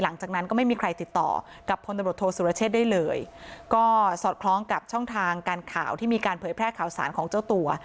หลังจากนั้นก็ไม่มีใครติดต่อกับพลตำรวจโทษสุรเชษได้เลยก็สอดคล้องกับช่องทางการข่าวที่มีการเผยแพร่ข่าวสารของเจ้าตัว